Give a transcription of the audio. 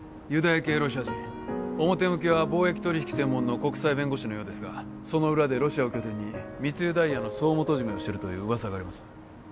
ユダヤ系ロシア人表向きは貿易取引専門の国際弁護士のようですがその裏でロシアを拠点に密輸ダイヤの総元締めをしてるという噂があります